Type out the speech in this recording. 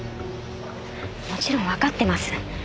もちろんわかってます。